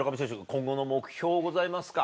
今後の目標ございますか？